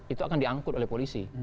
itu akan diangkut oleh polisi